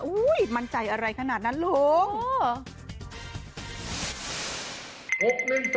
มั่นใจอะไรขนาดนั้นลุง